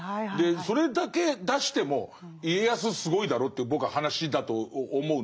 それだけ出しても家康すごいだろうという僕は話だと思うんですよ。